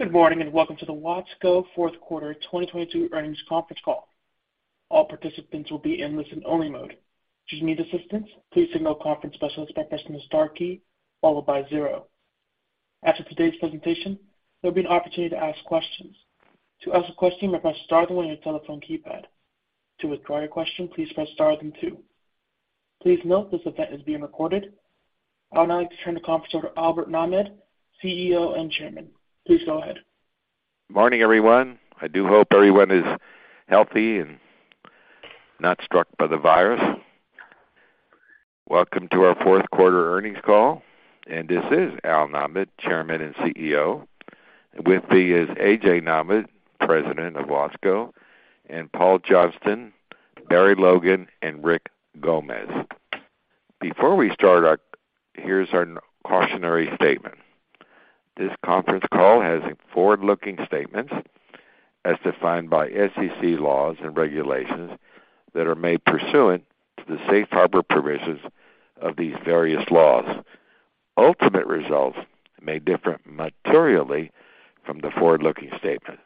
Good morning, welcome to the Watsco fourth quarter 2022 earnings conference call. All participants will be in listen only mode. Should you need assistance, please signal conference specialist by pressing the star key followed by 0. After today's presentation, there'll be an opportunity to ask questions. To ask a question, press star 1 on your telephone keypad. To withdraw your question, please press star then 2. Please note this event is being recorded. I would now like to turn the conference over to Albert Nahmad, CEO and Chairman. Please go ahead. Morning, everyone. I do hope everyone is healthy and not struck by the virus. Welcome to our fourth quarter earnings call. This is Albert H. Nahmad, Chairman and CEO. With me is Aaron Nahmad, President of Watsco, Paul Johnston, Barry Logan, and Rick Gomez. Before we start, here's our cautionary statement. This conference call has forward-looking statements as defined by SEC laws and regulations that are made pursuant to the safe harbor provisions of these various laws. Ultimate results may differ materially from the forward-looking statement.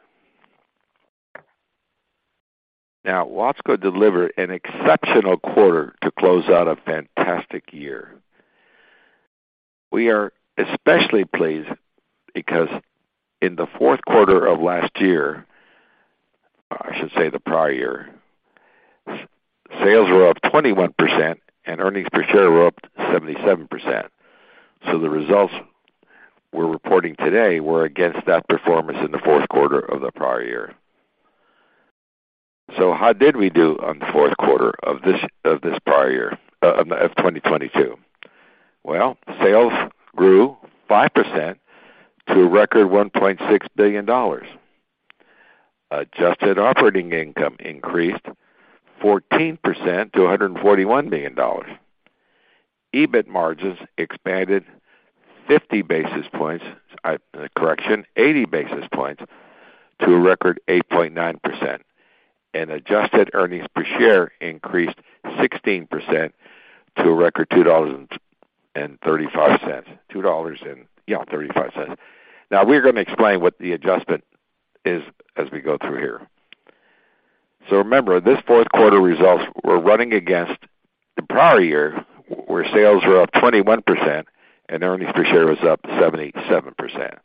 Watsco delivered an exceptional quarter to close out a fantastic year. We are especially pleased because in the fourth quarter of last year, I should say the prior year, sales were up 21% and earnings per share were up 77%. The results we're reporting today were against that performance in the fourth quarter of the prior year. How did we do on the fourth quarter of this prior year, of 2022? Well, sales grew 5% to a record $1.6 billion. Adjusted operating income increased 14% to a $141 million. EBIT margins expanded 50 basis points. Correction, 80 basis points to a record 8.9%. Adjusted earnings per share increased 16% to a record $2.35. We're gonna explain what the adjustment is as we go through here. Remember, this fourth quarter results were running against the prior year, where sales were up 21% and earnings per share was up 77%.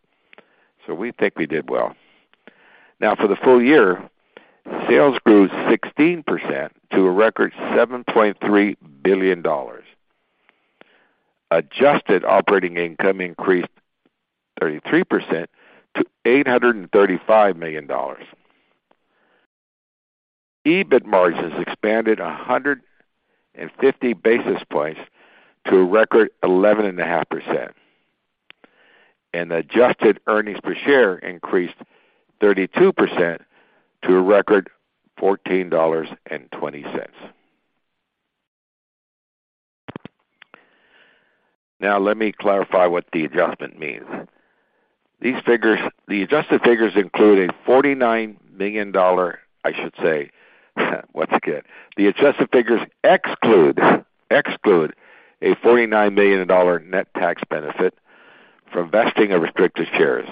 We think we did well. For the full year, sales grew 16% to a record $7.3 billion. Adjusted operating income increased 33% to $835 million. EBIT margins expanded 150 basis points to a record 11.5%. Adjusted earnings per share increased 32% to a record $14.20. Now, let me clarify what the adjustment means. The adjusted figures, I should say, once again, exclude a $49 million net tax benefit from vesting of restricted shares,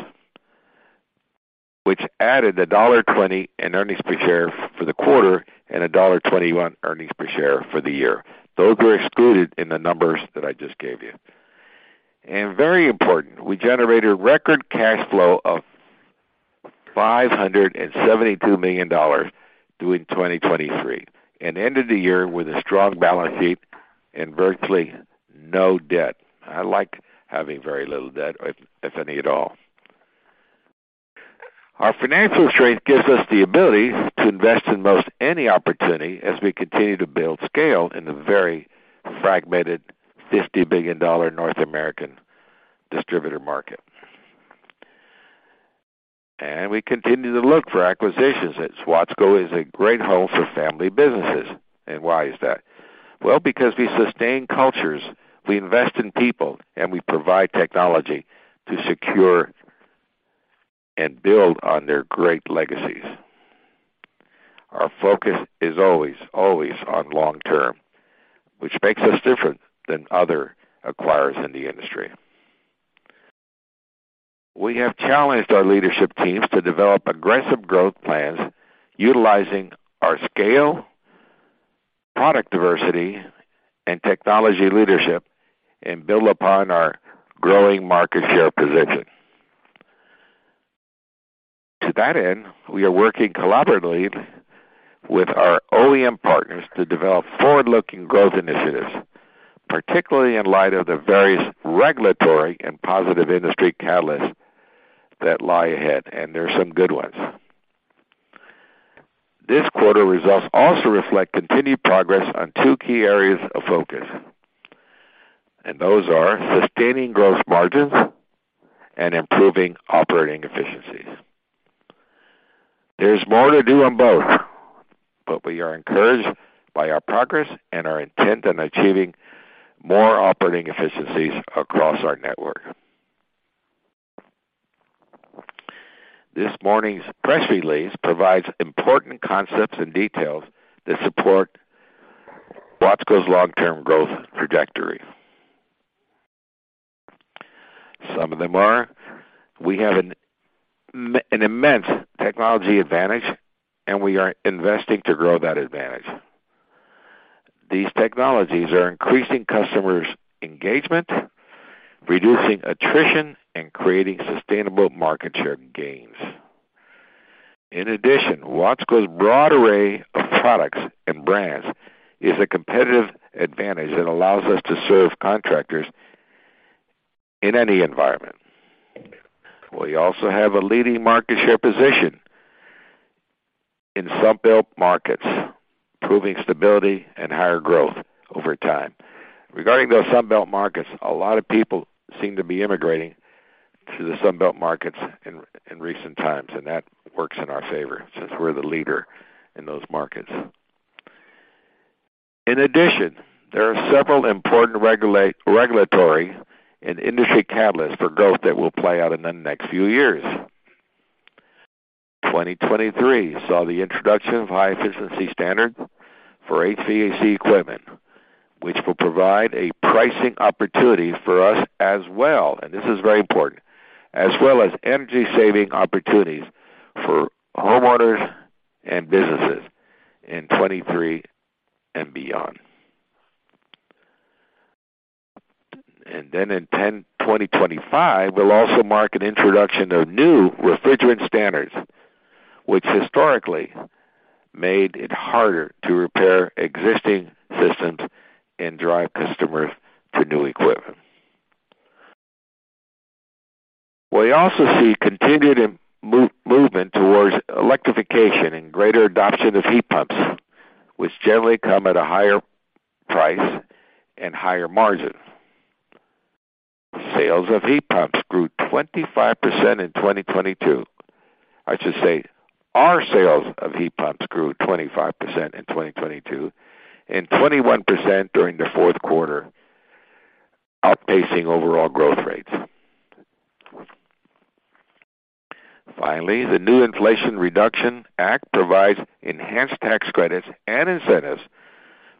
which added $1.20 in earnings per share for the quarter and $1.21 earnings per share for the year. Those were excluded in the numbers that I just gave you. Very important, we generated record cash flow of $572 million during 2023 and ended the year with a strong balance sheet and virtually no debt. I like having very little debt, if any at all. Our financial strength gives us the ability to invest in most any opportunity as we continue to build scale in the very fragmented $50 billion North American distributor market. We continue to look for acquisitions as Watsco is a great home for family businesses. Why is that? Well, because we sustain cultures, we invest in people, and we provide technology to secure and build on their great legacies. Our focus is always on long term, which makes us different than other acquirers in the industry. We have challenged our leadership teams to develop aggressive growth plans utilizing our scale, product diversity and technology leadership and build upon our growing market share position. To that end, we are working collaboratively with our OEM partners to develop forward-looking growth initiatives, particularly in light of the various regulatory and positive industry catalysts that lie ahead. There are some good ones. This quarter results also reflect continued progress on 2 key areas of focus. Those are sustaining gross margins and improving operating efficiencies. There's more to do on both. We are encouraged by our progress and our intent on achieving more operating efficiencies across our network. This morning's press release provides important concepts and details that support Watsco's long-term growth trajectory. Some of them are: we have an immense technology advantage. We are investing to grow that advantage. These technologies are increasing customers' engagement, reducing attrition, and creating sustainable market share gains. Watsco's broad array of products and brands is a competitive advantage that allows us to serve contractors in any environment. We also have a leading market share position in Sun Belt markets, proving stability and higher growth over time. Regarding those Sun Belt markets, a lot of people seem to be immigrating to the Sun Belt markets in recent times. That works in our favor since we're the leader in those markets. There are several important regulatory and industry catalysts for growth that will play out in the next few years. 2023 saw the introduction of high efficiency standard for HVAC equipment, which will provide a pricing opportunity for us as well, and this is very important, as well as energy saving opportunities for homeowners and businesses in 2023 and beyond. Then in 2025 will also mark an introduction of new refrigerant standards, which historically made it harder to repair existing systems and drive customers to new equipment. We also see continued movement towards electrification and greater adoption of heat pumps, which generally come at a higher price and higher margin. Sales of heat pumps grew 25% in 2022. I should say our sales of heat pumps grew 25% in 2022 and 21% during the fourth quarter, outpacing overall growth rates. Finally, the new Inflation Reduction Act provides enhanced tax credits and incentives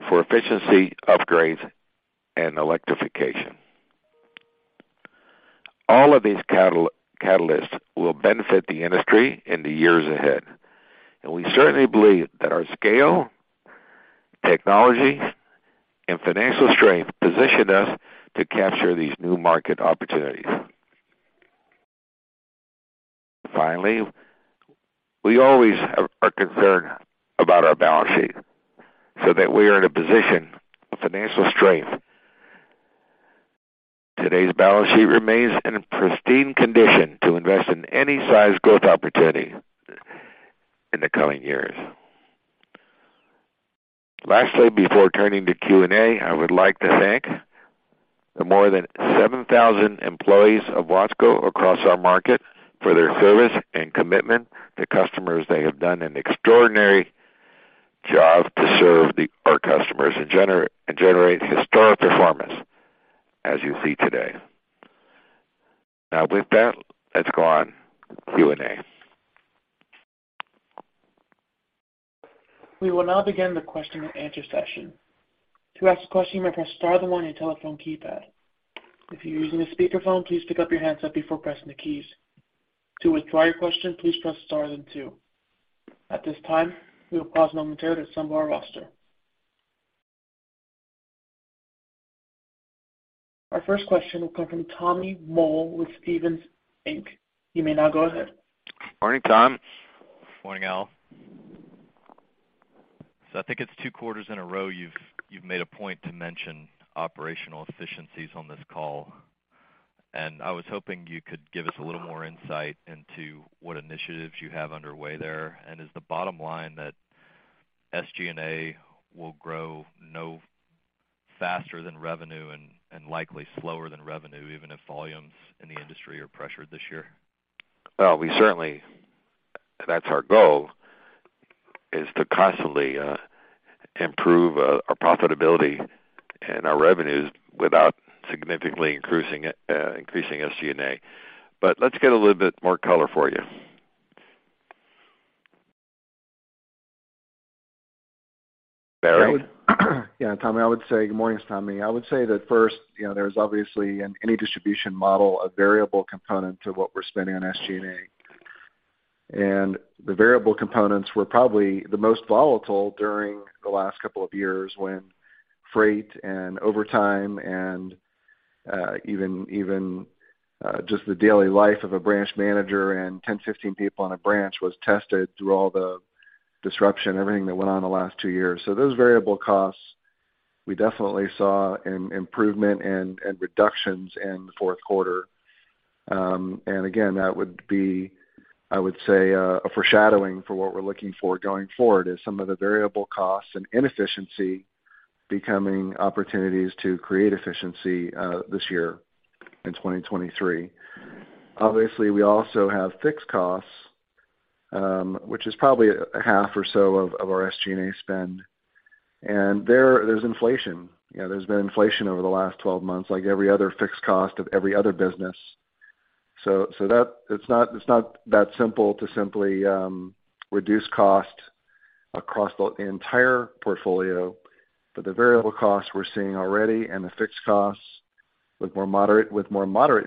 for efficiency upgrades and electrification. All of these catalysts will benefit the industry in the years ahead, we certainly believe that our scale, technology, and financial strength position us to capture these new market opportunities. We always are concerned about our balance sheet so that we are in a position of financial strength. Today's balance sheet remains in pristine condition to invest in any size growth opportunity in the coming years. Before turning to Q&A, I would like to thank the more than 7,000 employees of Watsco across our market for their service and commitment to customers. They have done an extraordinary job to serve our customers and generate historic performance, as you see today. With that, let's go on Q&A. We will now begin the question and answer session. To ask a question, you may press star then 1 on your telephone keypad. If you're using a speakerphone, please pick up your handset before pressing the keys. To withdraw your question, please press star then 2. At this time, we will pause momentarily to assemble our roster. Our first question will come from Tommy Moll with Stephens Inc. You may now go ahead. Morning, Tom. Morning, Al. I think it's 2 quarters in a row you've made a point to mention operational efficiencies on this call, and I was hoping you could give us a little more insight into what initiatives you have underway there. Is the bottom line that SG&A will grow no faster than revenue and likely slower than revenue, even if volumes in the industry are pressured this year? Well, we certainly... That's our goal is to constantly improve our profitability and our revenues without significantly increasing SG&A. Let's get a little bit more color for you. Barry? Yeah, Tommy. I would say, Good morning, Tommy. I would say that first, you know, there's obviously in any distribution model, a variable component to what we're spending on SG&A. The variable components were probably the most volatile during the last couple of years when freight and overtime and, even, just the daily life of a branch manager and 10, 15 people on a branch was tested through all the disruption, everything that went on in the last 2 years. Those variable costs, we definitely saw an improvement and reductions in the fourth quarter. Again, that would be, I would say, a foreshadowing for what we're looking for going forward, is some of the variable costs and inefficiency becoming opportunities to create efficiency, this year in 2023. Obviously, we also have fixed costs, which is probably half or so of our SG&A spend. There's inflation. You know, there's been inflation over the last 12 months, like every other fixed cost of every other business That it's not that simple to simply reduce costs across the entire portfolio. The variable costs we're seeing already and the fixed costs with more moderate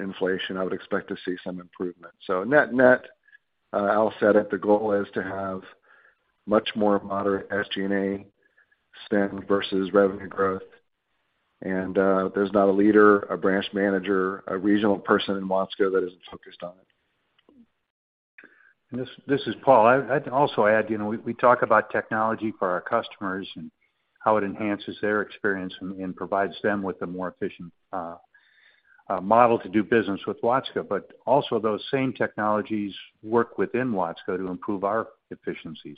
inflation, I would expect to see some improvement. Net, net, Al said it, the goal is to have much more moderate SG&A spend versus revenue growth. There's not a leader, a branch manager, a regional person in Watsco that isn't focused on it. This is Paul. I'd also add, you know, we talk about technology for our customers and how it enhances their experience and provides them with a more efficient model to do business with Watsco. Also those same technologies work within Watsco to improve our efficiencies.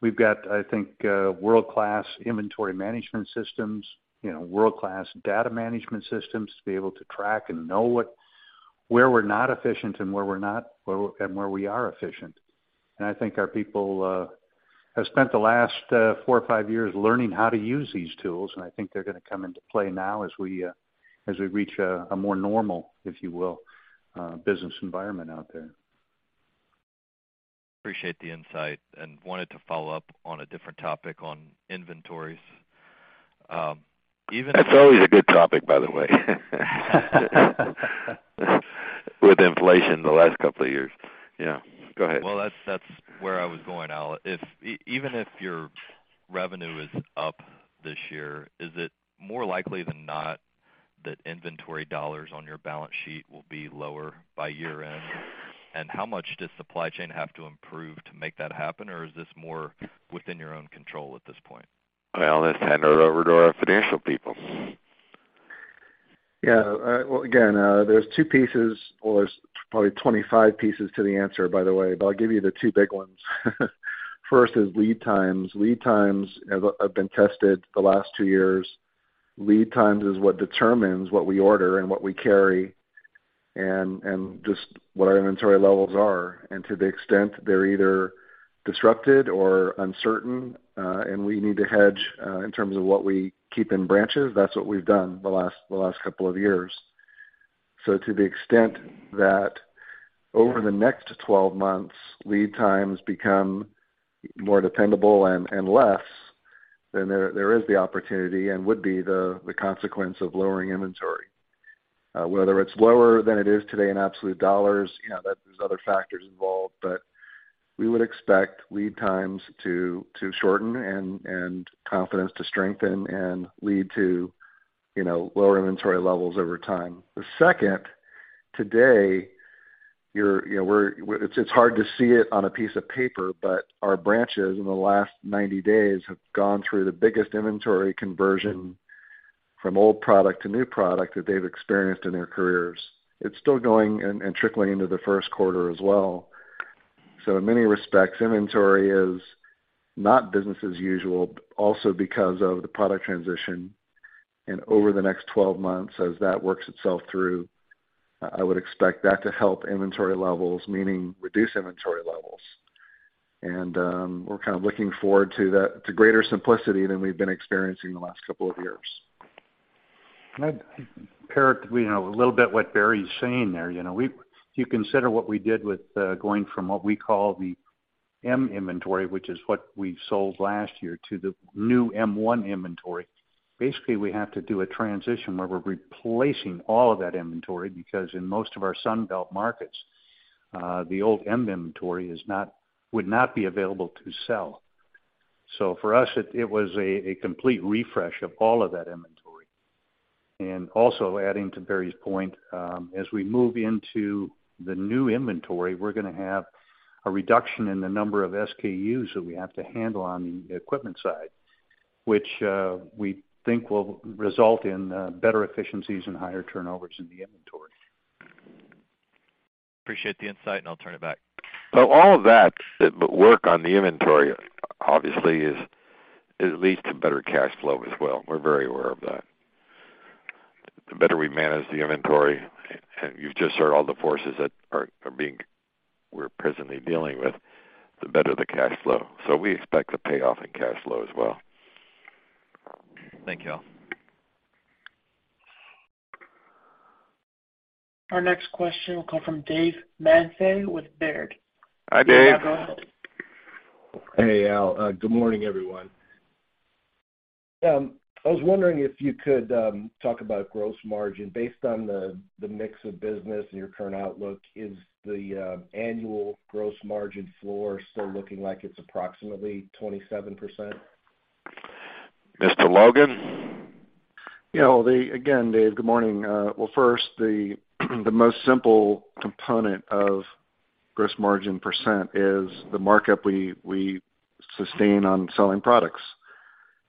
We've got, I think, world-class inventory management systems, you know, world-class data management systems to be able to track and know where we're not efficient and where we are efficient. And I think our people have spent the last four or five years learning how to use these tools, and I think they're gonna come into play now as we reach a more normal, if you will, business environment out there. Appreciate the insight and wanted to follow up on a different topic on inventories. That's always a good topic, by the way. With inflation the last couple of years. Yeah, go ahead. Well, that's where I was going, Al. If even if your revenue is up this year, is it more likely than not that inventory dollars on your balance sheet will be lower by year-end? How much does supply chain have to improve to make that happen, or is this more within your own control at this point? Well, let's hand it over to our financial people. Yeah. Well, again, there's 2 pieces or there's probably 25 pieces to the answer, by the way, but I'll give you the 2 big ones. First is lead times. Lead times have been tested the last 2 years. Lead times is what determines what we order and what we carry and just what our inventory levels are. To the extent they're either disrupted or uncertain, and we need to hedge, in terms of what we keep in branches, that's what we've done the last couple of years. To the extent that over the next 12 months, lead times become more dependable and less, then there is the opportunity and would be the consequence of lowering inventory. Whether it's lower than it is today in absolute dollars, you know, that there's other factors involved. We would expect lead times to shorten and confidence to strengthen and lead to, you know, lower inventory levels over time. The second, today, you know, it's hard to see it on a piece of paper, but our branches in the last 90 days have gone through the biggest inventory conversion from old product to new product that they've experienced in their careers. It's still going and trickling into the first quarter as well. In many respects, inventory is not business as usual, also because of the product transition. Over the next 12 months, as that works itself through, I would expect that to help inventory levels, meaning reduce inventory levels. We're kind of looking forward to that, to greater simplicity than we've been experiencing the last couple of years. I'd pair it, you know, a little bit what Barry's saying there. You know, if you consider what we did with going from what we call the Appendix M, which is what we sold last year, to the new M1 inventory. Basically, we have to do a transition where we're replacing all of that inventory because in most of our Sun Belt markets, the old Appendix M would not be available to sell. For us, it was a complete refresh of all of that inventory. Also adding to Barry's point, as we move into the new inventory, we're gonna have a reduction in the number of SKUs that we have to handle on the equipment side, which we think will result in better efficiencies and higher turnovers in the inventory. Appreciate the insight, and I'll turn it back. All of that work on the inventory obviously it leads to better cash flow as well. We're very aware of that. The better we manage the inventory, and you've just heard all the forces that we're presently dealing with, the better the cash flow. We expect a payoff in cash flow as well. Thank you all. Our next question will come from Dave Manthey with Baird. Hi, Dave. Yeah, go ahead. Hey, Al. Good morning, everyone. I was wondering if you could, talk about gross margin. Based on the mix of business and your current outlook, is the annual gross margin floor still looking like it's approximately 27%? Mr. Logan? You know, Dave, good morning. Well, first, the most simple component of gross margin % is the markup we sustain on selling products.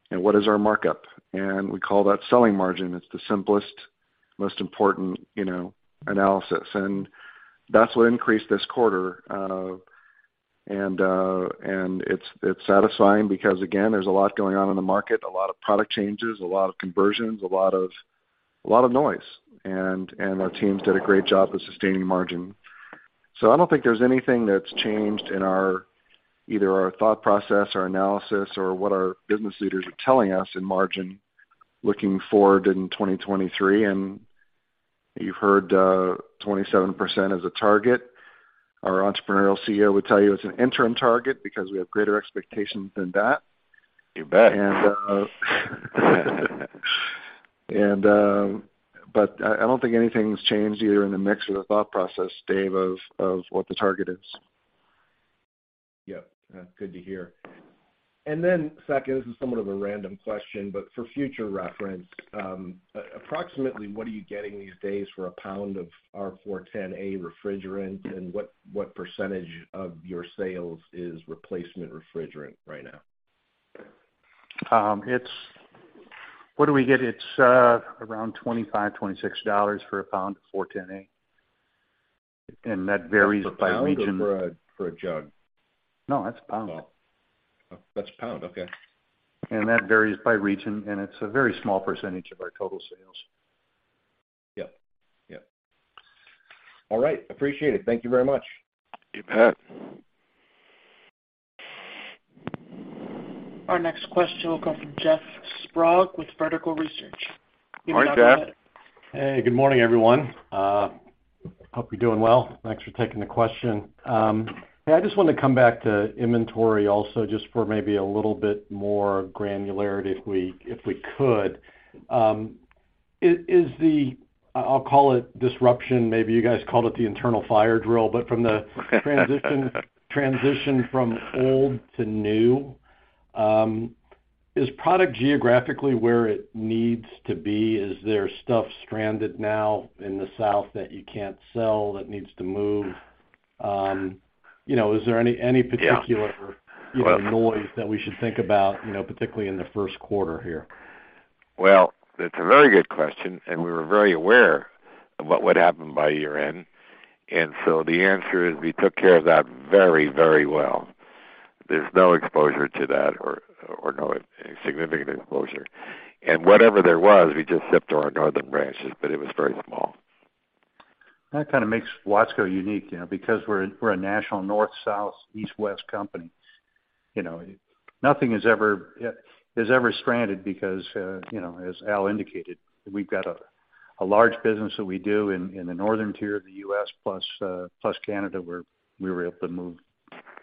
What is our markup? We call that selling margin. It's the simplest, most important, you know, analysis. That's what increased this quarter, and it's satisfying because again, there's a lot going on in the market, a lot of product changes, a lot of conversions, a lot of noise. Our teams did a great job of sustaining margin. I don't think there's anything that's changed in either our thought process or analysis or what our business leaders are telling us in margin looking forward in 2023. You've heard 27% as a target. Our entrepreneurial CEO would tell you it's an interim target because we have greater expectations than that. You bet. I don't think anything's changed either in the mix or the thought process, Dave, of what the target is. Yeah. good to hear. Second, this is somewhat of a random question, but for future reference, approximately what are you getting these days for a 1 pound of R-410A refrigerant and what % of your sales is replacement refrigerant right now? What do we get? It's around $25-$26 for a pound of R-410A. That varies by region. For a pound or for a jug? No, that's a pound. Oh. That's a pound. Okay. That varies by region, and it's a very small percentage of our total sales. Yep. Yep. All right. Appreciate it. Thank you very much. You bet. Our next question will come from Jeff Sprague with Vertical Research. You may go ahead. Hi, Jeff. Hey, good morning, everyone. Hope you're doing well. Thanks for taking the question. I just wanna come back to inventory also just for maybe a little bit more granularity if we, if we could. Is the, I'll call it disruption, maybe you guys called it the internal fire drill, but from the transition from old to new, is product geographically where it needs to be? Is there stuff stranded now in the South that you can't sell, that needs to move? you know, is there any particular... Yeah. noise that we should think about, you know, particularly in the first quarter here? Well, that's a very good question. We were very aware of what would happen by year-end. The answer is we took care of that very, very well. There's no exposure to that or no significant exposure. Whatever there was, we just shipped to our northern branches. It was very small. That kind of makes Watsco unique, you know, because we're a national north, south, east, west company. You know, nothing is ever stranded because, you know, as Al indicated, we've got a large business that we do in the northern tier of the U.S. plus Canada, where we were able to move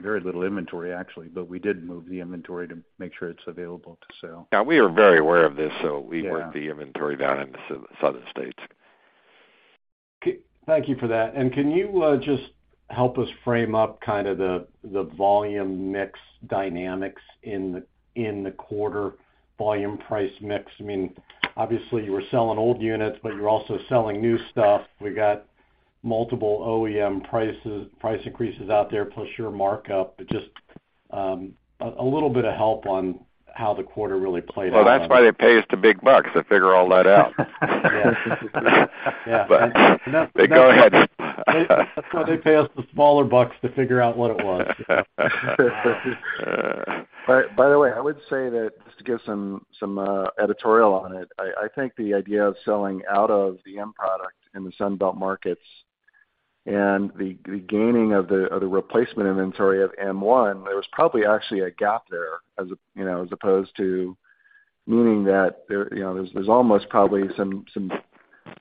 very little inventory, actually. We did move the inventory to make sure it's available to sell. Yeah, we are very aware of this, so we worked the inventory down in the southern states. Thank you for that. Can you just help us frame up kind of the volume mix dynamics in the, in the quarter volume price mix? I mean, obviously you were selling old units, but you're also selling new stuff. We got multiple OEM price increases out there, plus your markup. Just a little bit of help on how the quarter really played out. Well, that's why they pay us the big bucks to figure all that out. Yeah. Yeah. Go ahead. That's why they pay us the smaller bucks to figure out what it was. By the way, I would say that just to give some editorial on it, I think the idea of selling out of the M product in the Sun Belt markets and the gaining of the replacement inventory of M1, there was probably actually a gap there as opposed to meaning that there's almost probably some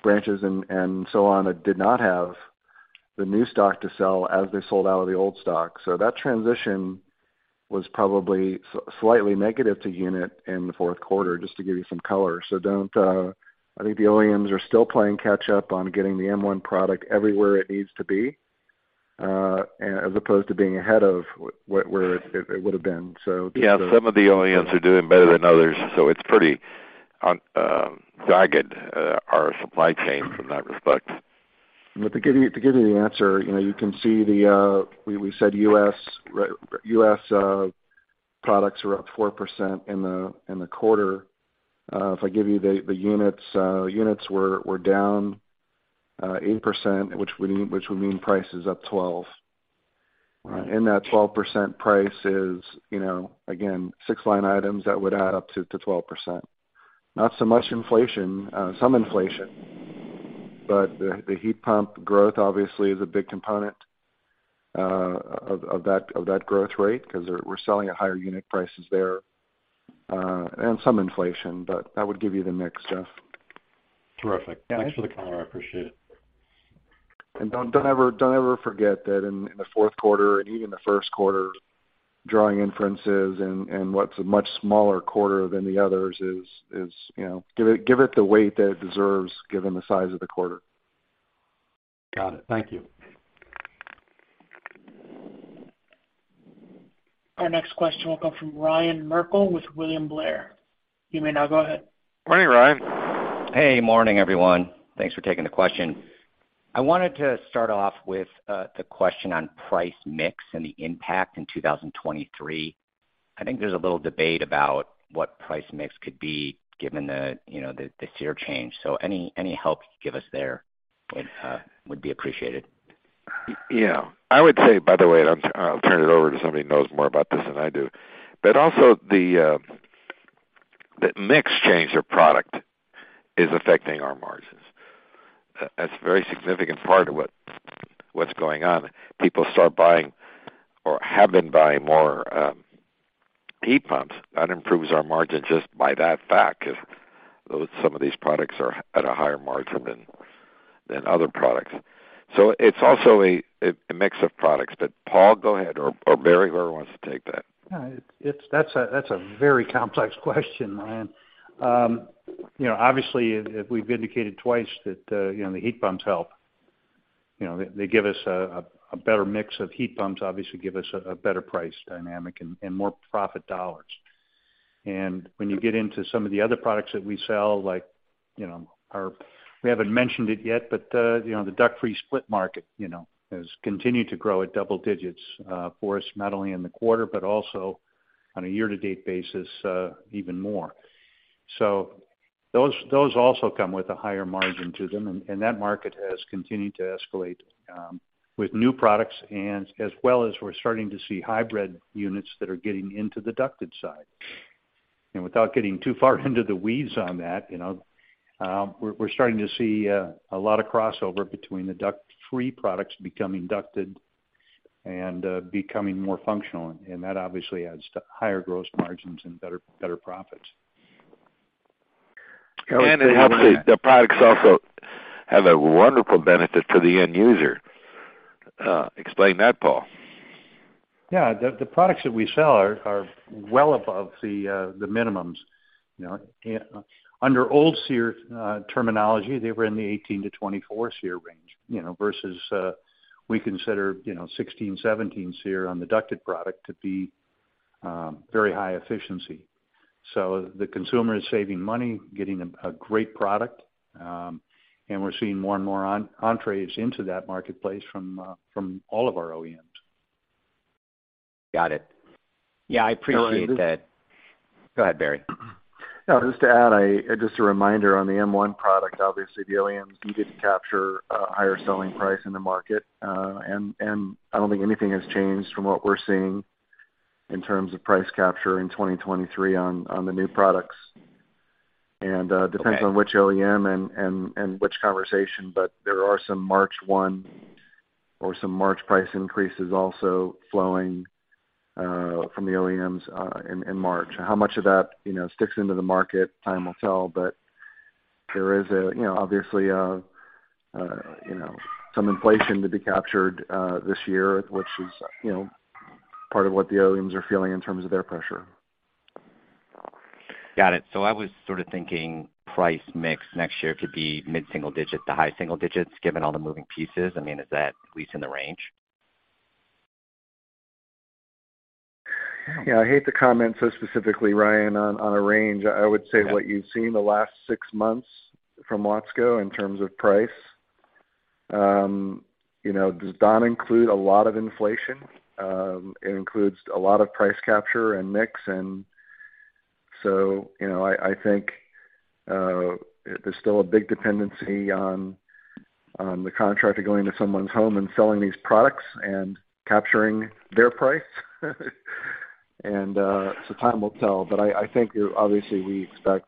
branches and so on that did not have the new stock to sell as they sold out of the old stock. That transition was probably slightly negative to unit in the fourth quarter, just to give you some color. I think the OEMs are still playing catch up on getting the M1 product everywhere it needs to be as opposed to being ahead of where it would have been. So just a- Some of the OEMs are doing better than others, so it's pretty jagged, our supply chain from that respect. To give you the answer, you know, you can see the we said U.S. products were up 4% in the quarter. If I give you the units were down 8%, which would mean price is up 12. Right. In that 12% price is, you know, again, 6 line items that would add up to 12%. Not so much inflation, some inflation, but the heat pump growth obviously is a big component of that growth rate 'cause we're selling at higher unit prices there, and some inflation. That would give you the mix, Jeff. Terrific. Thanks for the color. I appreciate it. Don't ever forget that in the fourth quarter and even the first quarter, drawing inferences in what's a much smaller quarter than the others is, you know, give it the weight that it deserves given the size of the quarter. Got it. Thank you. Our next question will come from Ryan Merkel with William Blair. You may now go ahead. Morning, Ryan. Hey, morning, everyone. Thanks for taking the question. I wanted to start off with the question on price mix and the impact in 2023. I think there's a little debate about what price mix could be given the, you know, the SEER change. Any help you could give us there would be appreciated. Yeah. I would say, by the way, I'll turn it over to somebody who knows more about this than I do, but also the mix change of product is affecting our margins. That's a very significant part of what's going on. People start buying or have been buying more heat pumps. That improves our margin just by that fact, 'cause some of these products are at a higher margin than other products. It's also a mix of products. Paul, go ahead, or Barry, whoever wants to take that. It's a very complex question, Ryan. you know, obviously, if we've indicated twice that, you know, the heat pumps help. You know, they give us a better mix of heat pumps, obviously give us a better price dynamic and more profit dollars. When you get into some of the other products that we sell, like, you know, our... We haven't mentioned it yet, but, you know, the duct-free split market, you know, has continued to grow at double digits for us, not only in the quarter but also on a year-to-date basis, even more. Those, those also come with a higher margin to them, and that market has continued to escalate with new products and as well as we're starting to see hybrid units that are getting into the ducted side. Without getting too far into the weeds on that, you know, we're starting to see a lot of crossover between the duct-free products becoming ducted and becoming more functional, and that obviously adds to higher gross margins and better profits. Obviously, the products also have a wonderful benefit to the end user. Explain that, Paul. The products that we sell are well above the minimums, you know. Under old SEER terminology, they were in the 18 to 24 SEER range, you know, versus, we consider, you know, 16, 17 SEER on the ducted product to be very high efficiency. The consumer is saving money, getting a great product, and we're seeing more and more onto it into that marketplace from all of our OEMs. Got it. Yeah, I appreciate that. Go ahead, Barry. No, just to add, Just a reminder on the M1 product. Obviously, the OEMs needed to capture a higher selling price in the market. I don't think anything has changed from what we're seeing in terms of price capture in 2023 on the new products. Okay. depends on which OEM and which conversation, but there are some March one or some March price increases also flowing from the OEMs in March. How much of that, you know, sticks into the market, time will tell. There is a, you know, obviously, you know, some inflation to be captured this year, which is, you know, part of what the OEMs are feeling in terms of their pressure. Got it. I was sort of thinking price mix next year could be mid-single digit to high single digits, given all the moving pieces. I mean, is that at least in the range? Yeah, I hate to comment so specifically, Ryan, on a range. I would say what you've seen the last 6 months from Watsco in terms of price, you know, does not include a lot of inflation. It includes a lot of price capture and mix. So, you know, I think, there's still a big dependency on the contractor going to someone's home and selling these products and capturing their price. So time will tell. I think obviously we expect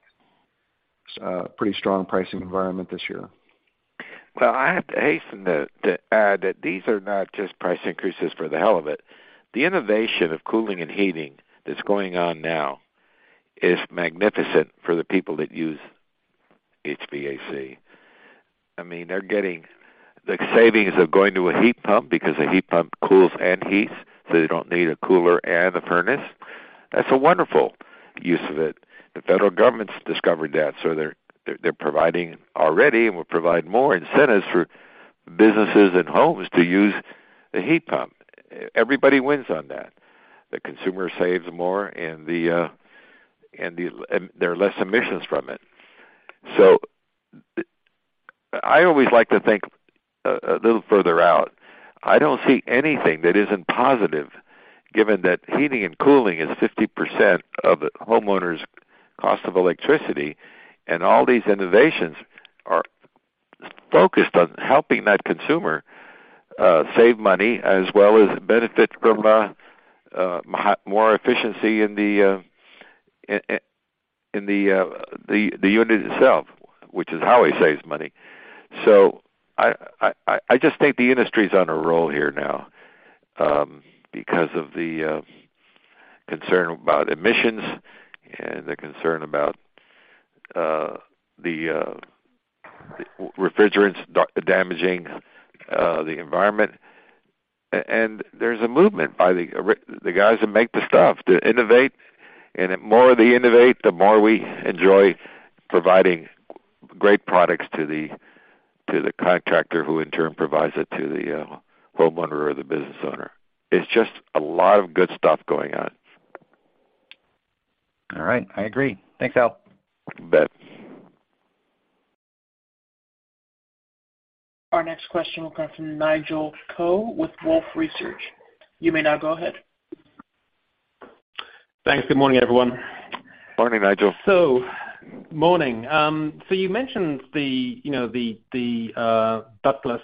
pretty strong pricing environment this year. Well, I have to hasten to add that these are not just price increases for the hell of it. The innovation of cooling and heating that's going on now is magnificent for the people that use HVAC. I mean, they're getting the savings of going to a heat pump because a heat pump cools and heats, so they don't need a cooler and a furnace. That's a wonderful use of it. The federal government's discovered that, so they're providing already and will provide more incentives for businesses and homes to use the heat pump. Everybody wins on that. The consumer saves more and there are less emissions from it. I always like to think a little further out. I don't see anything that isn't positive given that heating and cooling is 50% of a homeowner's cost of electricity, and all these innovations are focused on helping that consumer save money as well as benefit from a more efficiency in the unit itself, which is how he saves money. I just think the industry's on a roll here now because of the concern about emissions and the concern about the refrigerants damaging the environment. And there's a movement by the guys that make the stuff to innovate. The more they innovate, the more we enjoy providing great products to the contractor who in turn provides it to the homeowner or the business owner. It's just a lot of good stuff going on. All right. I agree. Thanks, Al. You bet. Our next question will come from Nigel Coe with Wolfe Research. You may now go ahead. Thanks. Good morning, everyone. Morning, Nigel. Morning. You mentioned the, you know, the ductless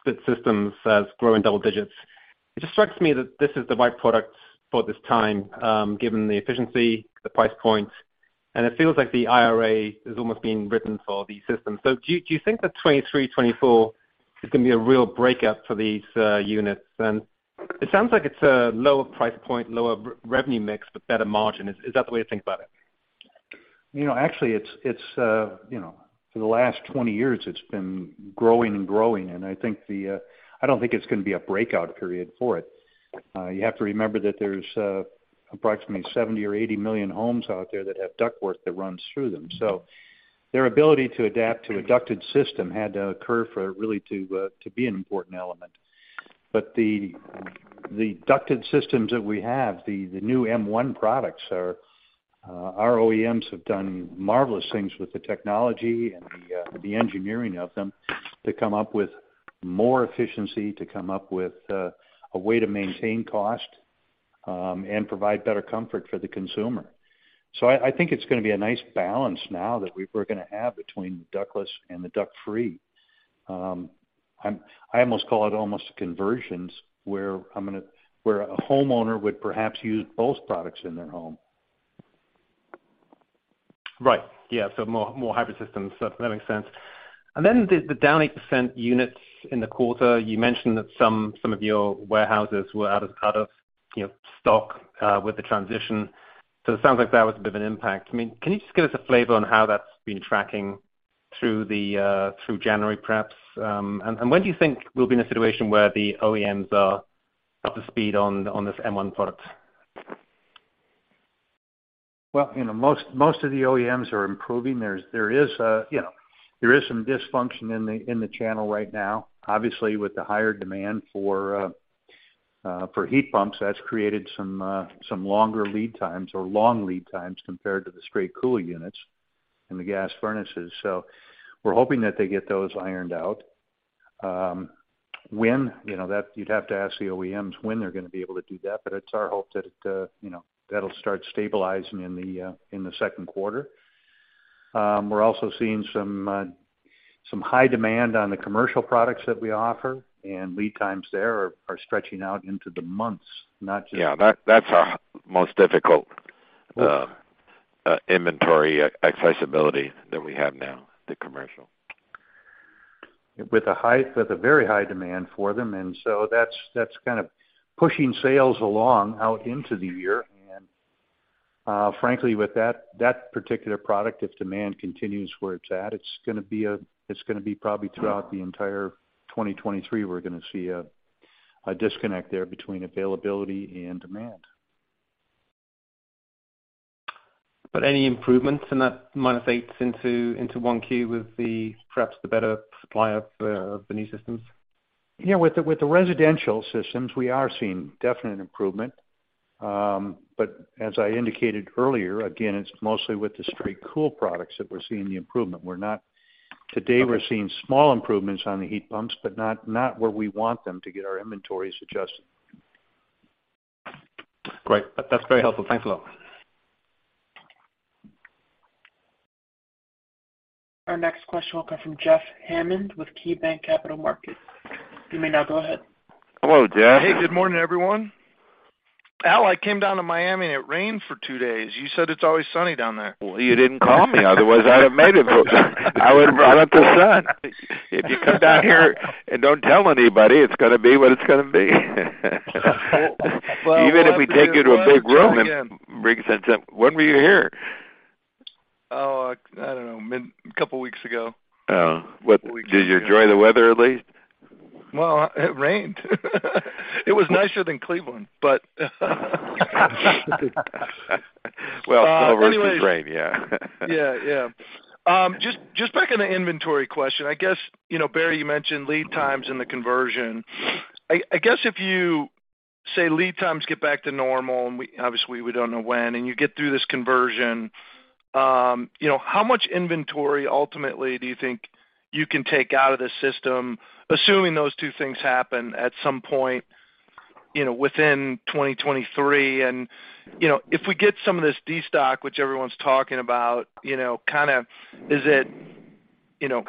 split systems as growing double digits. It just strikes me that this is the right product for this time, given the efficiency, the price point, and it feels like the IRA is almost being written for these systems. Do you think that 2023, 2024 is gonna be a real breakout for these units? It sounds like it's a lower price point, lower revenue mix, but better margin. Is that the way to think about it? You know, actually it's, you know, for the last 20 years it's been growing. I don't think it's gonna be a breakout period for it. You have to remember that there's approximately 70 or 80 million homes out there that have ductwork that runs through them. Their ability to adapt to a ducted system had to occur for it really to be an important element. The ducted systems that we have, the new M1 products are our OEMs have done marvelous things with the technology and the engineering of them to come up with more efficiency, to come up with a way to maintain cost, and provide better comfort for the consumer. I think it's gonna be a nice balance now that we're gonna have between the ductless and the duct-free. I almost call it almost conversions, where a homeowner would perhaps use both products in their home. Right. Yeah. More hybrid systems. That makes sense. The down 8% units in the quarter, you mentioned that some of your warehouses were out of, you know, stock, with the transition. It sounds like that was a bit of an impact. I mean, can you just give us a flavor on how that's been tracking through January perhaps? When do you think we'll be in a situation where the OEMs are up to speed on this M-one product? You know, most of the OEMs are improving. There's, there is a, you know, there is some dysfunction in the channel right now. Obviously, with the higher demand for heat pumps, that's created some longer lead times or long lead times compared to the straight cooling units and the gas furnaces. We're hoping that they get those ironed out. When, you know, that you'd have to ask the OEMs when they're gonna be able to do that. It's our hope that it, you know, that'll start stabilizing in the second quarter. We're also seeing some high demand on the commercial products that we offer, and lead times there are stretching out into the months, not just. Yeah. That's our most difficult... Yeah... inventory accessibility that we have now, the commercial. With a very high demand for them, and so that's kind of pushing sales along out into the year. Frankly, with that particular product, if demand continues where it's at, it's gonna be probably throughout the entire 2023, we're gonna see a disconnect there between availability and demand. Any improvements in that -8 into 1Q with perhaps the better supply of the new systems? Yeah. With the residential systems, we are seeing definite improvement. As I indicated earlier, again, it's mostly with the straight cool products that we're seeing the improvement. Okay. Today, we're seeing small improvements on the heat pumps, but not where we want them to get our inventories adjusted. Great. That's very helpful. Thanks a lot. Our next question will come from Jeff Hammond with KeyBanc Capital Markets. You may now go ahead. Hello, Jeff. Hey, good morning, everyone. Al, I came down to Miami, and it rained for 2 days. You said it's always sunny down there. You didn't call me, otherwise, I'd have made it. I would've brought up the sun. If you come down here and don't tell anybody, it's gonna be what it's gonna be. Well, hopefully. Even if we take you to a big room and bring some sun. When were you here? Oh, I don't know, couple weeks ago. Oh. Couple weeks ago. Did you enjoy the weather at least? Well, it rained. It was nicer than Cleveland, but... Well, Florida can rain, yeah. Yeah, yeah. Just back on the inventory question, I guess, you know, Barry, you mentioned lead times in the conversion. I guess if you say lead times get back to normal, and obviously, we don't know when, and you get through this conversion, you know, how much inventory ultimately do you think you can take out of the system, assuming those two things happen at some point, you know, within 2023? You know, if we get some of this destock, which everyone's talking about, you know, kinda, is it, you know,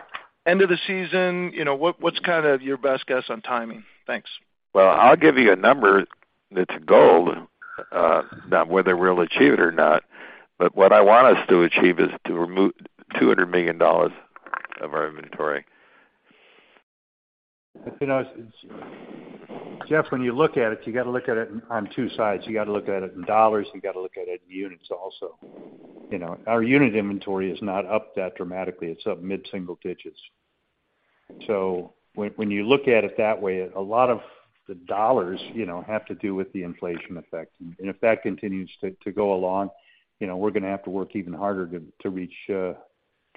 end of the season? You know, what's kinda your best guess on timing? Thanks. Well, I'll give you a number that's a goal, not whether we'll achieve it or not, but what I want us to achieve is to remove $200 million of our inventory. You know, Jeff, when you look at it, you gotta look at it on 2 sides. You gotta look at it in $, you gotta look at it in units also. You know, our unit inventory is not up that dramatically. It's up mid-single digits. When you look at it that way, a lot of the $, you know, have to do with the inflation effect. If that continues to go along, you know, we're gonna have to work even harder to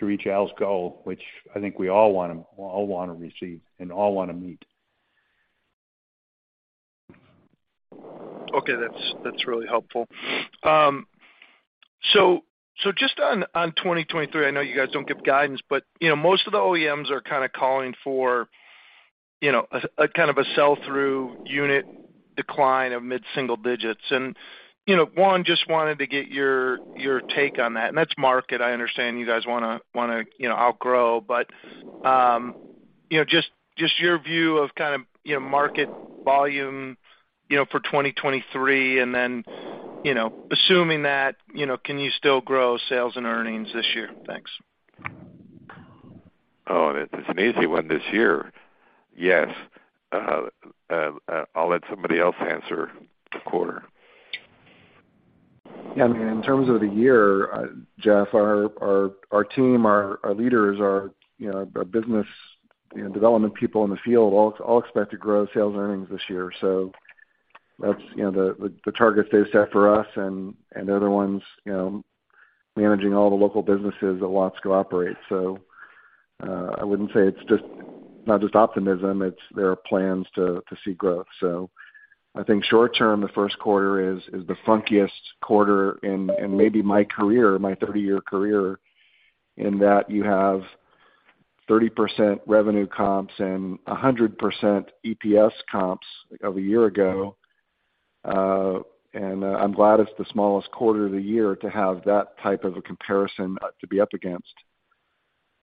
reach Al's goal, which I think we all wanna receive and all wanna meet. Okay. That's really helpful. So just on 2023, I know you guys don't give guidance, but, you know, most of the OEMs are kinda calling for. You know, a kind of a sell-through unit decline of mid-single digits. You know, one, just wanted to get your take on that. That's market. I understand you guys wanna, you know, outgrow. Just your view of kind of, you know, market volume, you know, for 2023, and then, you know, assuming that, you know, can you still grow sales and earnings this year? Thanks. Oh, that's an easy one this year. Yes. I'll let somebody else answer the quarter. Yeah, I mean, in terms of the year, Jeff, our team, our leaders, you know, our business, you know, development people in the field all expect to grow sales earnings this year. That's, you know, the target they set for us and they're the ones, you know, managing all the local businesses that Watsco operates. I wouldn't say it's not just optimism, it's there are plans to see growth. I think short term, the first quarter is the funkiest quarter in maybe my career, my 30-year career, in that you have 30% revenue comps and 100% EPS comps of a year ago. I'm glad it's the smallest quarter of the year to have that type of a comparison to be up against.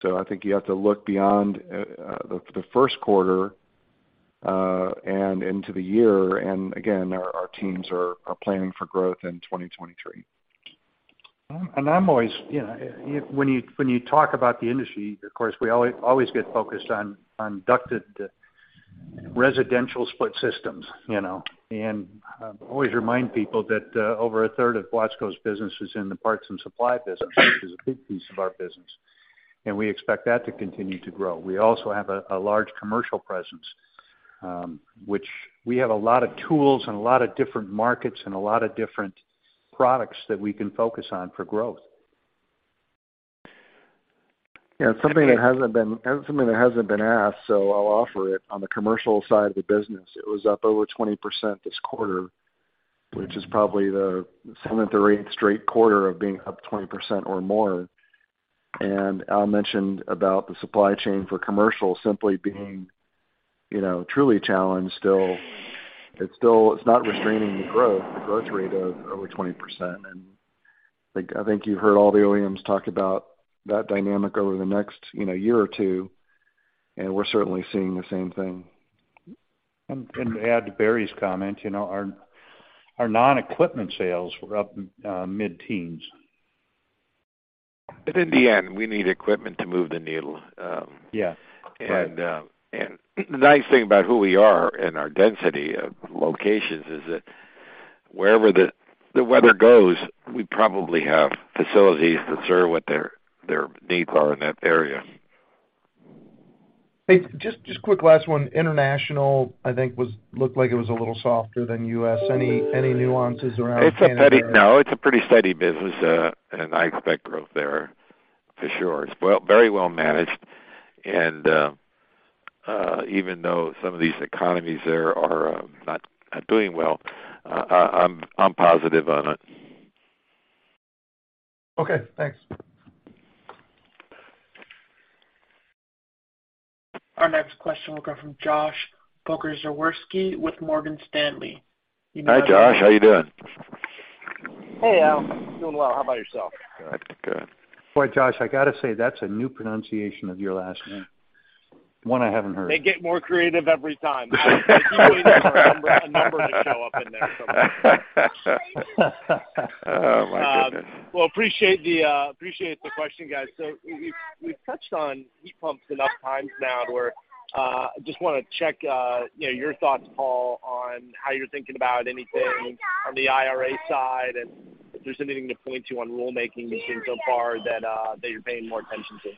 I think you have to look beyond, the first quarter, and into the year. Again, our teams are planning for growth in 2023. I'm always, you know. When you talk about the industry, of course, we always get focused on ducted residential split systems, you know. I always remind people that over a third of Watsco's business is in the parts and supply business, which is a big piece of our business, and we expect that to continue to grow. We also have a large commercial presence, which we have a lot of tools and a lot of different markets and a lot of different products that we can focus on for growth. Yeah. Something that hasn't been, something that hasn't been asked, so I'll offer it. On the commercial side of the business, it was up over 20% this quarter, which is probably the seventh or eighth straight quarter of being up 20% or more. Al mentioned about the supply chain for commercial simply being, you know, truly challenged still. It's not restraining the growth, the growth rate of over 20%. I think you've heard all the OEMs talk about that dynamic over the next, you know, year or 2, and we're certainly seeing the same thing. To add to Barry's comment, you know, our non-equipment sales were up, mid-teens. In the end, we need equipment to move the needle. Yeah. Right. The nice thing about who we are and our density of locations is that wherever the weather goes, we probably have facilities that serve what their needs are in that area. Hey, just quick last one. International, I think, looked like it was a little softer than U.S. Any nuances around Canada? No, it's a pretty steady business, I expect growth there for sure. It's very well managed. Even though some of these economies there are not doing well, I'm positive on it. Okay, thanks. Our next question will come from Joshua Pokrzywinski with Morgan Stanley. Hi, Josh. How you doing? Hey, Al. Doing well. How about yourself? Good. Good. Boy, Josh, I gotta say, that's a new pronunciation of your last name. One I haven't heard. They get more creative every time. I'm waiting for a number to show up in there somewhere. Oh, my goodness. Well, appreciate the, appreciate the question, guys. We've, we've touched on heat pumps enough times now to where, I just wanna check, you know, your thoughts, Paul, on how you're thinking about anything on the IRA side and if there's anything to point to on rulemaking we've seen so far that you're paying more attention to?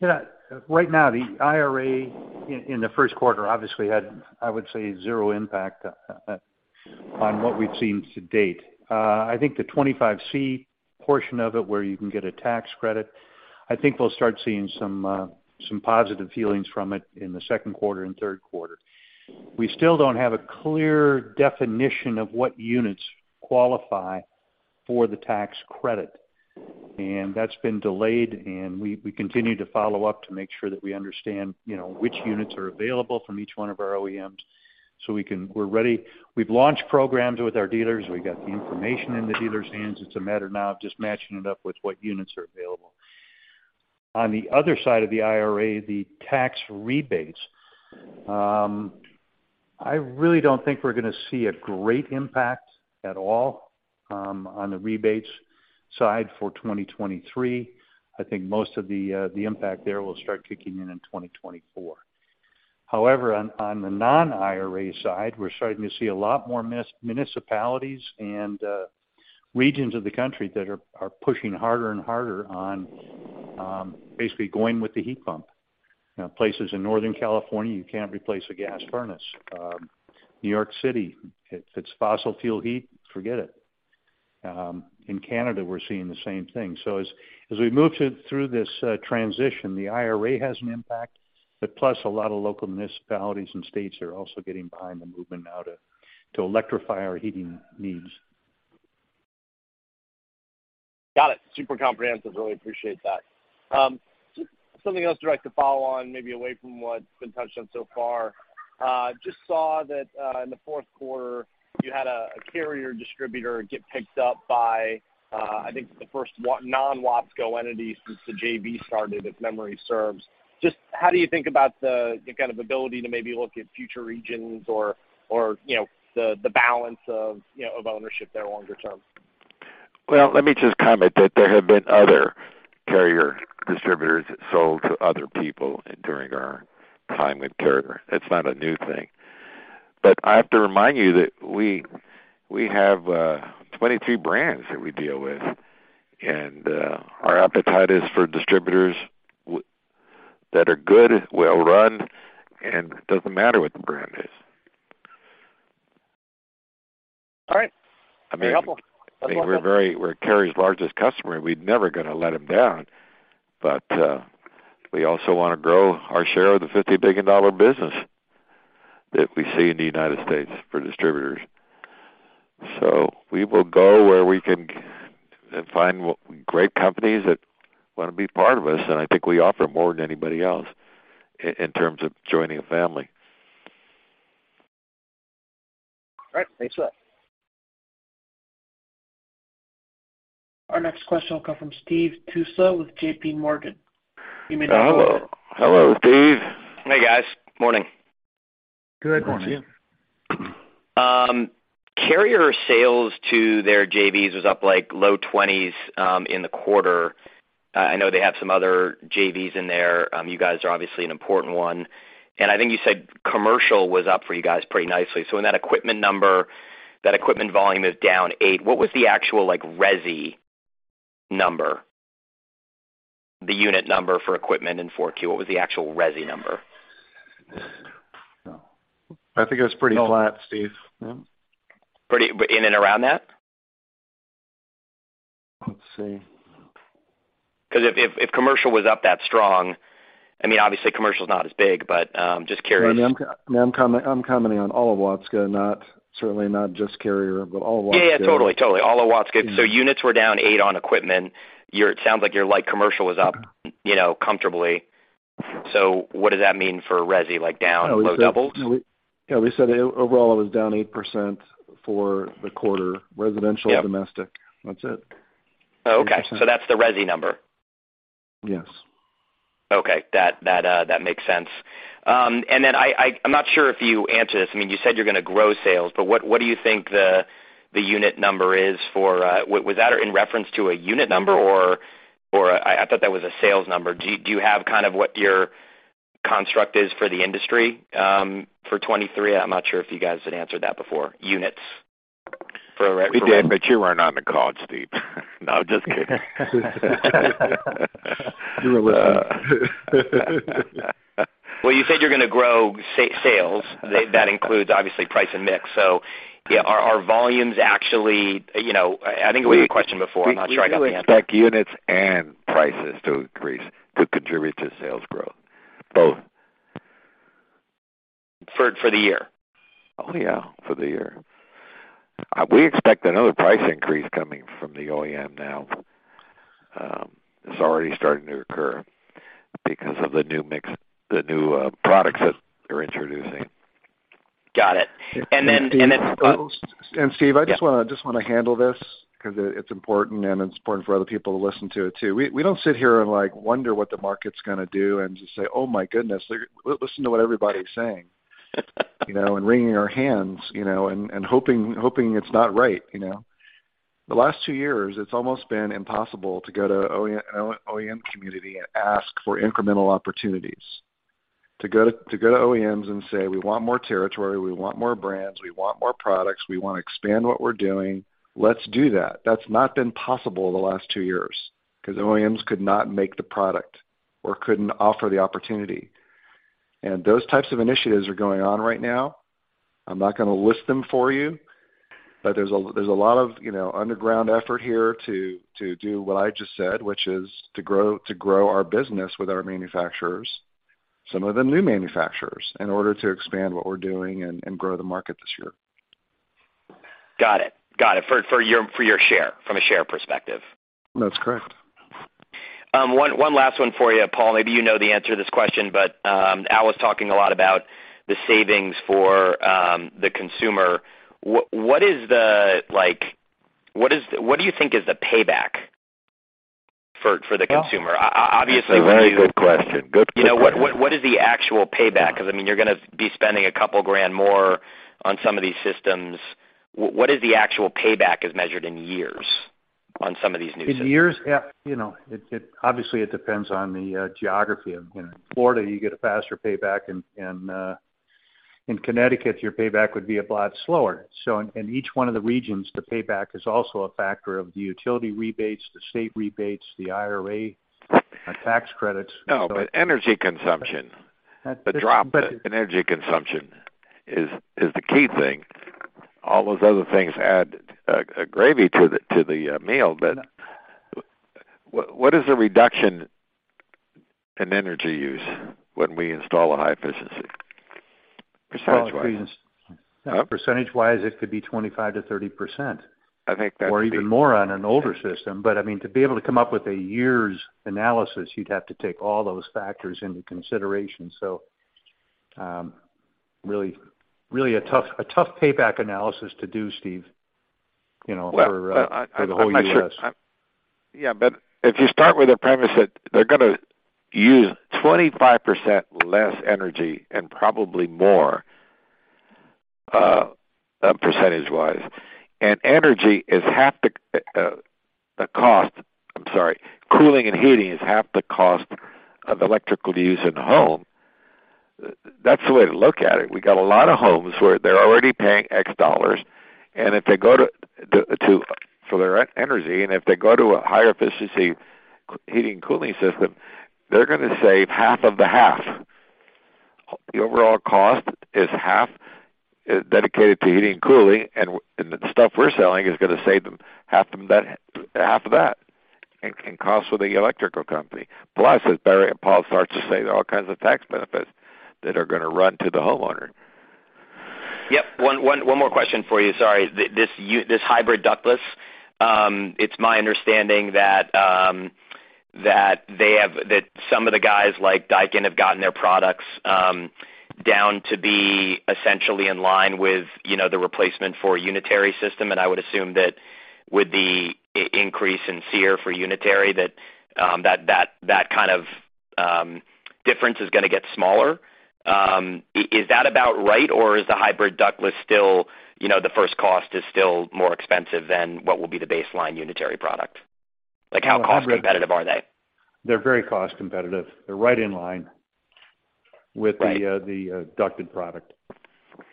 Yeah. Right now the IRA in the first quarter obviously had, I would say, zero impact on what we've seen to date. I think the 25C portion of it, where you can get a tax credit, I think we'll start seeing some positive feelings from it in the second quarter and third quarter. We still don't have a clear definition of what units qualify for the tax credit. That's been delayed and we continue to follow up to make sure that we understand, you know, which units are available from each one of our OEMs so we can... We're ready. We've launched programs with our dealers. We've got the information in the dealers' hands. It's a matter now of just matching it up with what units are available. On the other side of the IRA, the tax rebates. I really don't think we're gonna see a great impact at all on the rebates side for 2023. I think most of the impact there will start kicking in in 2024. However, on the non-IRA side, we're starting to see a lot more municipalities and regions of the country that are pushing harder and harder on basically going with the heat pump. You know, places in Northern California, you can't replace a gas furnace. New York City, if it's fossil fuel heat, forget it. In Canada, we're seeing the same thing. As we move through this transition, the IRA has an impact, but plus a lot of local municipalities and states are also getting behind the movement now to electrify our heating needs. Got it. Super comprehensive. Really appreciate that. Just something else I'd like to follow on, maybe away from what's been touched on so far. Just saw that, in the fourth quarter, you had a Carrier distributor get picked up by, I think the first non-Watsco entity since the JV started, if memory serves. Just how do you think about the kind of ability to maybe look at future regions or, you know, the balance of ownership there longer term? Let me just comment that there have been other Carrier distributors that sold to other people during our time with Carrier. It's not a new thing. I have to remind you that we have 22 brands that we deal with, and our appetite is for distributors that are good, well-run, and it doesn't matter what the brand is. All right. I mean. Very helpful. I mean, we're Carrier's largest customer, and we're never gonna let them down. We also wanna grow our share of the $50 billion business that we see in the United States for distributors. We will go where we can and find great companies that wanna be part of us, and I think we offer more than anybody else in terms of joining a family. All right. Thanks a lot. Our next question will come from Stephen Tusa with JPMorgan. You may now- Hello. Hello, Steve. Hey, guys. Morning. Good morning. Good to see you. Carrier sales to their JVs was up, like, low 20s in the quarter. I know they have some other JVs in there. You guys are obviously an important one. I think you said commercial was up for you guys pretty nicely. When that equipment number, that equipment volume is down 8%, what was the actual, like, resi number? The unit number for equipment in 4Q, what was the actual resi number? I think it was pretty flat, Steve. Yeah. Pretty. In and around that? Let's see. 'Cause if commercial was up that strong, I mean, obviously commercial is not as big, but just curious. No, I'm commenting on all of Watsco, not, certainly not just Carrier, but all of Watsco. Yeah. Totally. All of Watsco. Units were down 8 on equipment. It sounds like your light commercial was up, you know, comfortably. What does that mean for resi? Like, down low doubles? Yeah, we said overall it was down 8% for the quarter. Yeah. Residential, domestic. That's it. Okay. That's the resi number? Yes. Okay. That makes sense. I'm not sure if you answered this. I mean, you said you're gonna grow sales, but what do you think the unit number is for... Was that in reference to a unit number or... I thought that was a sales number. Do you have kind of what your construct is for the industry for 23? I'm not sure if you guys had answered that before, units for- We did, but you weren't on the call, Steve. No, just kidding. You said you're gonna grow sales. That includes obviously price and mix. Are volumes actually? You know, I think it was a question before. I'm not sure I got the answer. We do expect units and prices to increase, to contribute to sales growth, both. For the year? Oh, yeah, for the year. We expect another price increase coming from the OEM now. It's already starting to occur because of the new mix, the new products that they're introducing. Got it. Steve, I just. Yeah. I just wanna handle this because it's important and it's important for other people to listen to it too. We don't sit here and, like, wonder what the market's gonna do and just say, "Oh my goodness, they're... Listen to what everybody's saying," you know, and wringing our hands, you know, and hoping it's not right, you know. The last two years, it's almost been impossible to go to OEM community and ask for incremental opportunities. To go to OEMs and say, "We want more territory, we want more brands, we want more products, we wanna expand what we're doing, let's do that." That's not been possible the last two years 'cause OEMs could not make the product or couldn't offer the opportunity. Those types of initiatives are going on right now. I'm not gonna list them for you, but there's a lot of, you know, underground effort here to do what I just said, which is to grow our business with our manufacturers, some of them new manufacturers, in order to expand what we're doing and grow the market this year. Got it. Got it. For your share, from a share perspective. That's correct. One last one for you, Paul. Maybe you know the answer to this question. Al was talking a lot about the savings for the consumer. What do you think is the payback for the consumer? Obviously. That's a very good question. Good question. You know, what is the actual payback? 'Cause, I mean, you're gonna be spending $2,000 more on some of these systems. What is the actual payback as measured in years on some of these new systems? In years? Yeah, you know, it obviously depends on the geography. You know, Florida, you get a faster payback. In Connecticut, your payback would be a lot slower. In each one of the regions, the payback is also a factor of the utility rebates, the state rebates, the IRA tax credits. No, energy consumption. The drop in energy consumption is the key thing. All those other things add gravy to the meal. What is the reduction in energy use when we install a high efficiency? Percentage wise? Percentage wise, it could be 25%-30%. I think. Even more on an older system. I mean, to be able to come up with a year's analysis, you'd have to take all those factors into consideration. Really, really a tough, a tough payback analysis to do, Steve, you know, for the whole U.S. If you start with the premise that they're gonna use 25% less energy and probably more, percentage wise, and energy is half the cost. I'm sorry. Cooling and heating is half the cost of electrical use in the home, that's the way to look at it. We got a lot of homes where they're already paying X dollars, and for their energy, and if they go to a higher efficiency heating and cooling system, they're gonna save half of the half. The overall cost is half dedicated to heating and cooling, and the stuff we're selling is gonna save them half of that, half of that in cost with the electrical company. As Barry and Paul starts to say, there are all kinds of tax benefits that are gonna run to the homeowner. Yep. One more question for you. Sorry. This hybrid ductless, it's my understanding that some of the guys like Daikin have gotten their products down to be essentially in line with, you know, the replacement for a unitary system. I would assume that with the increase in SEER for unitary, that kind of difference is gonna get smaller. Is that about right, or is the hybrid ductless still, you know, the first cost is still more expensive than what will be the baseline unitary product? Like, how cost competitive are they? They're very cost competitive. They're right in line with the ducted product.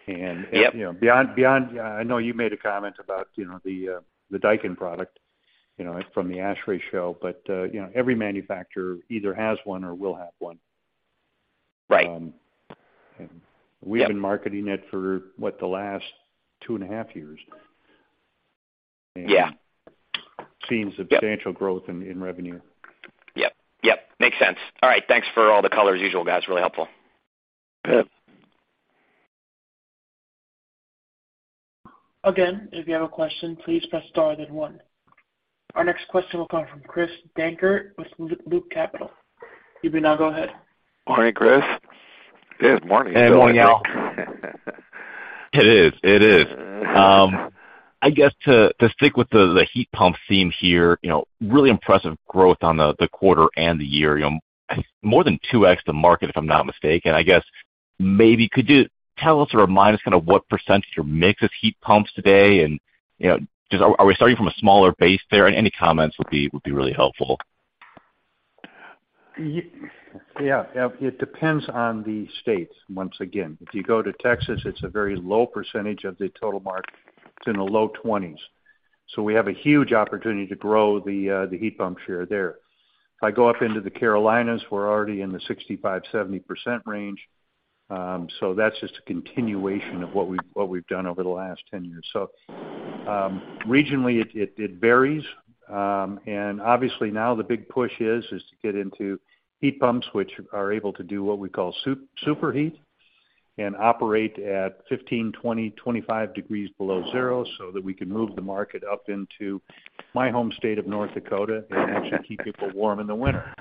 Yep. You know, beyond. I know you made a comment about, you know, the Daikin product, you know, from the ASHRAE show. You know, every manufacturer either has one or will have one. Right. We've been marketing it for, what, the last two and a half years. Yeah. Seeing substantial growth in revenue. Yep. Yep. Makes sense. All right. Thanks for all the color. As usual, guys, really helpful. Yep. Again, if you have a question, please press star then one. Our next question will come from Chris Dankert with Loop Capital Markets. You may now go ahead. Morning, Chris. It is morning. Good morning, all. It is. It is. I guess to stick with the heat pump theme here, you know, really impressive growth on the quarter and the year. You know, more than 2x the market, if I'm not mistaken. I guess maybe could you tell us or remind us kinda what percentage or mix is heat pumps today? You know, just are we starting from a smaller base there? Any comments would be really helpful. Yeah. It depends on the states, once again. If you go to Texas, it's a very low percentage of the total market. It's in the low 20s. We have a huge opportunity to grow the heat pump share there. If I go up into the Carolinas, we're already in the 65-70% range. That's just a continuation of what we've done over the last 10 years. Regionally, it varies. Obviously now the big push is to get into heat pumps, which are able to do what we call super heat and operate at 15, 20, 25 degrees below zero, so that we can move the market up into my home state of North Dakota and actually keep people warm in the winter.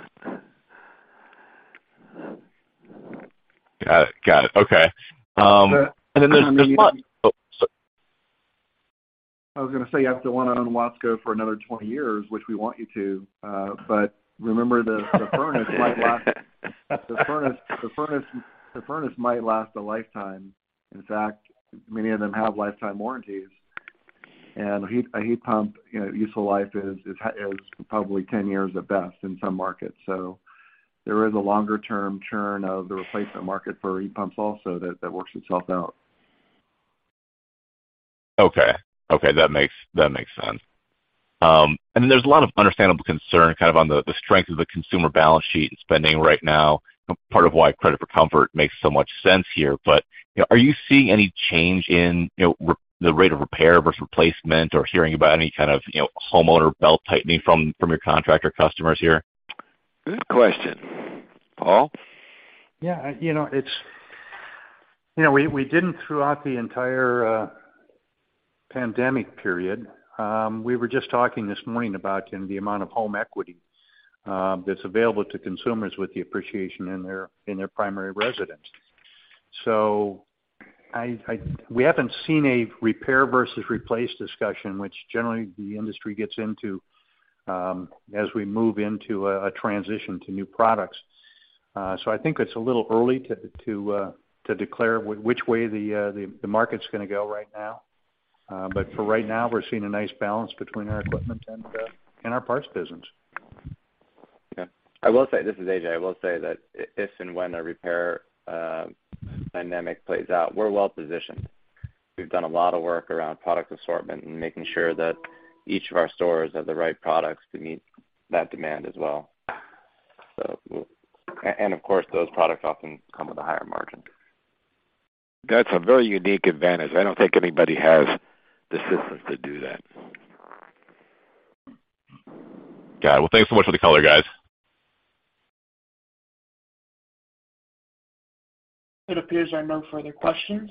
Got it. Got it. Okay. I was gonna say, you have to wanna own Watsco for another 20 years, which we want you to. Remember, the furnace might last. The furnace might last a lifetime. In fact, many of them have lifetime warranties. A heat pump, you know, useful life is probably 10 years at best in some markets. There is a longer-term churn of the replacement market for heat pumps also that works itself out. Okay. Okay, that makes sense. There's a lot of understandable concern kind of on the strength of the consumer balance sheet and spending right now, part of why Credit for Comfort makes so much sense here. You know, are you seeing any change in, you know, the rate of repair versus replacement or hearing about any kind of, you know, homeowner belt-tightening from your contractor customers here? Good question. Paul? Yeah. You know, it's... You know, we didn't throughout the entire pandemic period. We were just talking this morning about in the amount of home equity that's available to consumers with the appreciation in their primary residence. We haven't seen a repair versus replace discussion, which generally the industry gets into, as we move into a transition to new products. I think it's a little early to declare which way the market's gonna go right now. For right now, we're seeing a nice balance between our equipment and our parts business. Yeah. I will say. This is AJ. I will say that if and when a repair dynamic plays out, we're well-positioned. We've done a lot of work around product assortment and making sure that each of our stores have the right products to meet that demand as well. Of course, those products often come with a higher margin. That's a very unique advantage. I don't think anybody has the systems to do that. Got it. Well, thanks so much for the color, guys. It appears there are no further questions.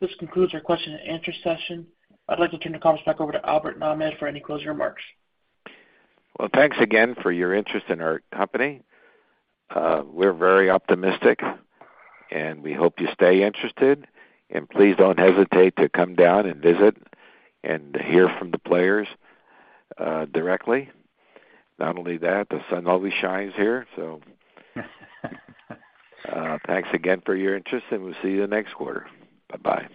This concludes our question and answer session. I'd like to turn the call back over to Albert Nahmad for any closing remarks. Well, thanks again for your interest in our company. We're very optimistic, and we hope you stay interested. Please don't hesitate to come down and visit and hear from the players directly. Not only that, the sun always shines here. Thanks again for your interest, and we'll see you the next quarter. Bye-bye.